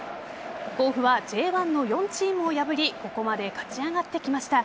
甲府はＪ１の４チームを破りここまで勝ち上がってきました。